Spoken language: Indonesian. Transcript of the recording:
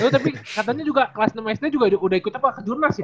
tapi katanya juga kelas enam sd udah ikut apa kejurnas ya